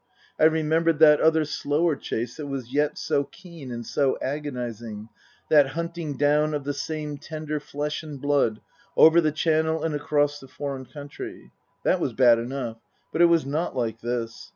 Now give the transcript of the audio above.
I remembered that other slower chase that was yet so keen and so agonizing ; that hunting down of the same tender flesh and blood, over the Channel and across a foreign country. That was bad enough ; but it was not like this.